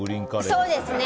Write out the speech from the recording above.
そうですね。